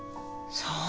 そう。